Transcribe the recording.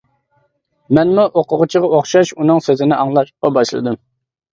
مەنمۇ ئوقۇغۇچىغا ئوخشاش ئۇنىڭ سۆزىنى ئاڭلاشقا باشلىدىم.